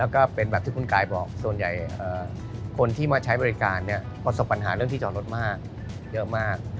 คนที่มาใช้บริการผสมปัญหาเรื่องที่จอดรถเยอะมาก